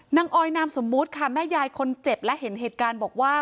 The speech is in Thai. ออยนามสมมุติค่ะแม่ยายคนเจ็บและเห็นเหตุการณ์บอกว่า